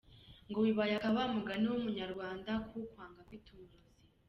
Ngo bibaye aka wa mugani w’umunyarwanda ko ukwanga akwita umurozi ?